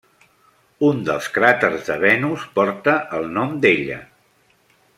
Un dels cràters de Venus porta el nom d'ella.